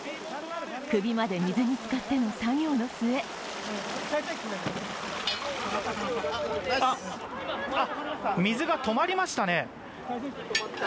首まで水につかっての作業の末あ、水が止まりましたね。